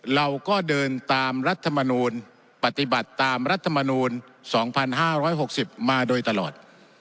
เราก็เดินตามรัฐมนุนปฏิบัติตามรัฐมนุนสองพันห้าร้อยหกสิบมาโดยตลอด